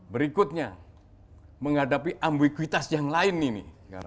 berikutnya menghadapi ambiguitas yang lain ini